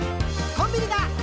「コンビニだ！